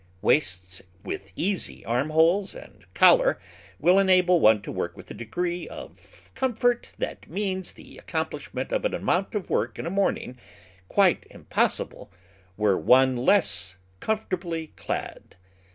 Waists with easy arm holes and collar will enable one to work with a degree of comfort that means the ac complishment of an amount of work in a morning quite impossible were one less comfortably clad.